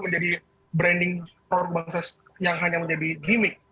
menjadi branding produk bangsa yang hanya menjadi gimmick